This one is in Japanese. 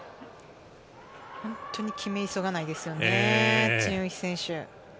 本当に決め急がないですよね、チン・ウヒ選手。